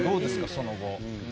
その後。